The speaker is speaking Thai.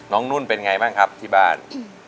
นุ่นเป็นไงบ้างครับที่บ้าน